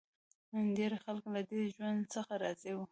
ډېری خلک له دې ژوند څخه راضي و.